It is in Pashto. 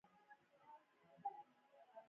د میوو بازارونه په سهار کې ګرم وي.